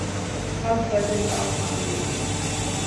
އަށް ބަދަލުއައުމާ ގުޅިގެން